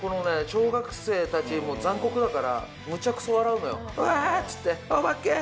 小学生たちも残酷だからむちゃくそ笑うのよワーつってオバケー！！